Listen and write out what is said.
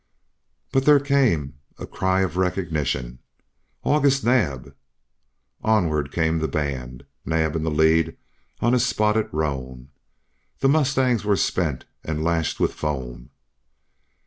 But there came a cry of recognition "August Naab!" Onward came the band, Naab in the lead on his spotted roan. The mustangs were spent and lashed with foam.